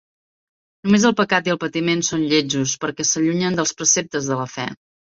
Només el pecat i el patiment són lletjos perquè s'allunyen dels preceptes de la fe.